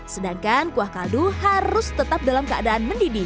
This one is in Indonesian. sedangkan kuah kaldu harus tetap dalam keadaan mendidih